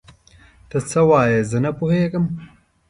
ته څه وايې؟ زه نه پوهيږم.